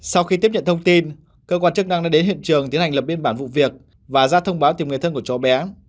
sau khi tiếp nhận thông tin cơ quan chức năng đã đến hiện trường tiến hành lập biên bản vụ việc và ra thông báo tìm người thân của cháu bé